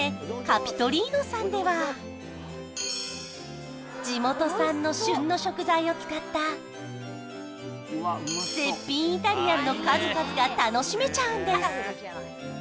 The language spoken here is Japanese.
カピトリーノさんでは地元産の旬の食材を使った絶品イタリアンの数々が楽しめちゃうんです